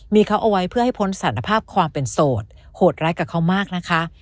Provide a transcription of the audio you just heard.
มีเขาเอาไว้เพื่อให้พ้นสารภาพความเป็นโสดโหดร้ายกับเขามากนะคะ